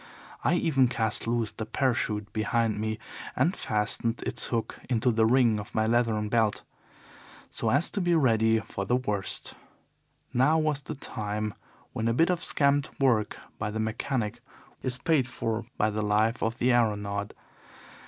I even cast loose the parachute behind me, and fastened its hook into the ring of my leathern belt, so as to be ready for the worst. Now was the time when a bit of scamped work by the mechanic is paid for by the life of the aeronaut.